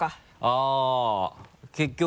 あぁ結局。